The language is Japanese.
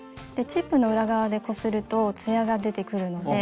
チップの裏側でこするとつやが出てくるので。